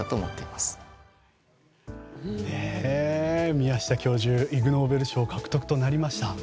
宮下教授イグ・ノーベル賞獲得となりました。